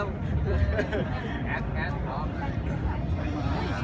แม่กับผู้วิทยาลัย